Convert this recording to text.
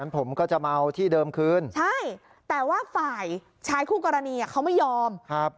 ผมก็จะมาเอาที่เดิมคืนใช่แต่ว่าฝ่ายชายคู่กรณีเขาไม่ยอมครับ